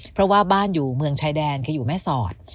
เพราะว่าบ้านอยู่เมืองชายแดนคืออยู่แม่สอด